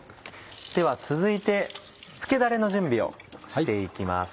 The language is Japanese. では続いて付けダレの準備をして行きます。